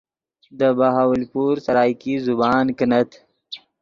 دے بہاولپور سرائیکی زبان کینت